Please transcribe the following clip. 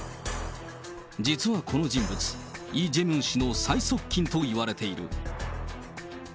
実はこの人物、イ・ジェミョン氏の最側近といわれている。